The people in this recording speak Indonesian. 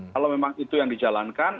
kalau memang itu yang dijalankan